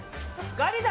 ガリだ。